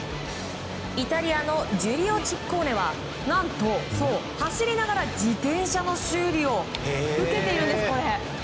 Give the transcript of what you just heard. イタリアのジュリオ・チッコーネは何と走りながら自転車の修理を受けているんです。